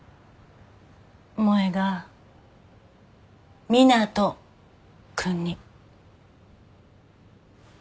萌が湊斗君に。